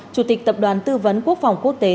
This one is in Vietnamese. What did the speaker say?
chủ tịch tập đoàn tư vấn quốc phòng quốc tế